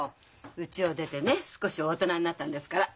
うちを出てね少しは大人になったんですから。